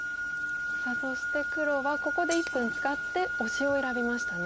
そして黒はここで１分使ってオシを選びましたね。